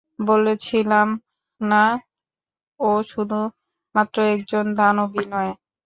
বলেছিলাম না ও শুধুমাত্র একজন দানবই নয়!